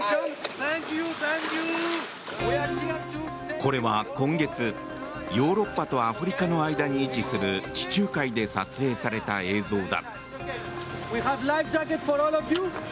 これは今月、ヨーロッパとアフリカの間に位置する地中海で撮影された映像だ。